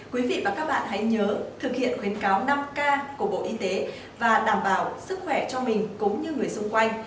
quý vị và các bạn hãy nhớ thực hiện khuyến cáo năm k của bộ y tế và đảm bảo sức khỏe cho mình cũng như người xung quanh